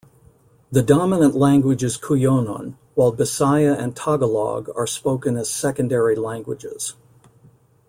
The dominant language is Cuyonon, while Bisaya and Tagalog are spoken as secondary languages.